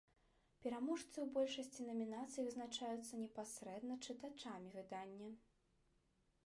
Пераможцы ў большасці намінацый вызначаюцца непасрэдна чытачамі выдання.